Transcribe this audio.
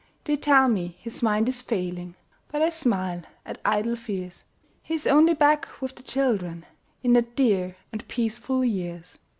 They tell me his mind is failing, But I smile at idle fears; He is only back with the children, In the dear and peaceful years.